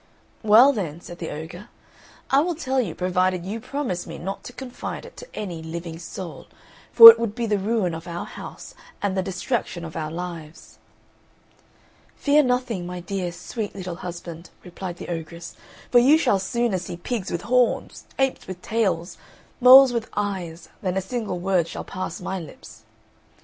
"Well then," said the ogre, "I will tell you provided you promise me not to confide it to any living soul, for it would be the ruin of our house and the destruction of our lives." "Fear nothing, my dear, sweet little husband," replied the ogress; "for you shall sooner see pigs with horns, apes with tails, moles with eyes, than a single word shall pass my lips."